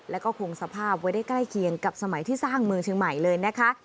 แล้วก็คงสภาพไว้ได้ใกล้เคียงกับสมัยที่สร้างเมืองเชียงใหม่เลยนะคะ